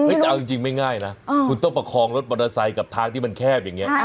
แต่เอาจริงไม่ง่ายนะคุณต้องประคองรถมอเตอร์ไซค์กับทางที่มันแคบอย่างนี้